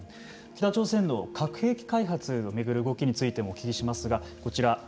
北朝鮮の核兵器開発を巡る動きについてもお聞きしますがこちら。